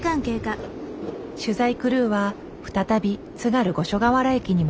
取材クルーは再び津軽五所川原駅に戻ってきた。